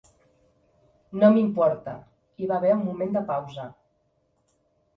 "No m'importa". Hi va haver un moment de pausa.